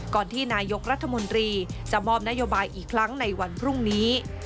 ที่นายกรัฐมนตรีจะมอบนโยบายอีกครั้งในวันพรุ่งนี้